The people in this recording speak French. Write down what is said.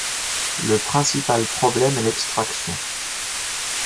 Le principal problème est l'extraction.